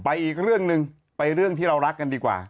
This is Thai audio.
อีกเรื่องหนึ่งไปเรื่องที่เรารักกันดีกว่า